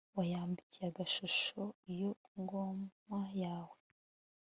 wayambikiye agashungo iyo ngoma yawe